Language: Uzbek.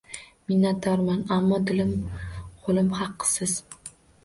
Minnatdorman, ammo, dilim, qo’lim haqi, Siz